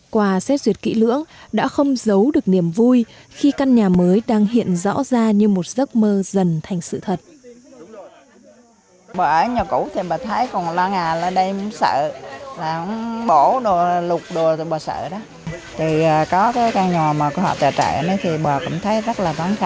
quà xét duyệt kỹ lưỡng đã không giấu được niềm vui khi căn nhà mới đang hiện rõ ra như một giấc mơ dần thành sự thật